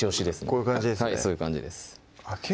こういう感じですね